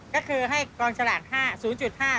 ก็คือให้กองสลาก๕๐๕